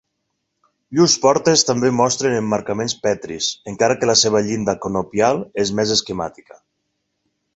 Llurs portes també mostren emmarcaments petris, encara que la seva llinda conopial és més esquemàtica.